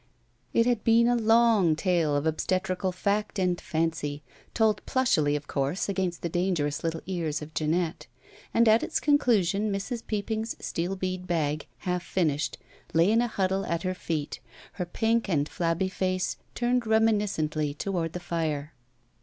It had been a long tale of obstetrical fact and fancy, told plushily, of course, against the dangerous little ears of Jeanette, and at its conclusion Mrs. Peopping's steel bead bag, half finished, lay in a huddle at her feet, her pink and flabby face turned reminiscently toward the fire.